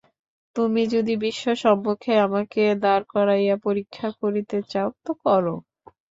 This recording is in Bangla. তুমি যদি বিশ্বসমক্ষে আমাকে দাঁড় করাইয়া পরীক্ষা করিতে চাও তো করো।